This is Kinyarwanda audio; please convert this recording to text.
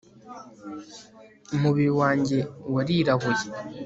umubiri wanjye warirabuye